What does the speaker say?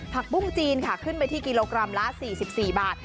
ปุ้งจีนค่ะขึ้นไปที่กิโลกรัมละ๔๔บาท